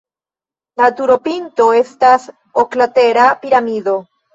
La turopinto estas oklatera piramido.